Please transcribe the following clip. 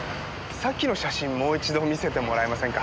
さっきの写真もう一度見せてもらえませんか？